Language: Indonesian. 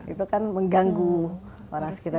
itu kan mengganggu orang sekitar